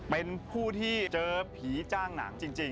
เป็นผู้ที่เจอผีจ้างหนังจริง